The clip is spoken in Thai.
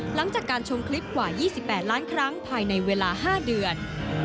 หลังจากการชมคลิปกว่า๒๘ล้านครั้งภายในเวลา๕เดือน